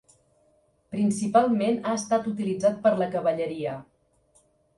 Principalment ha estat utilitzat per la cavalleria.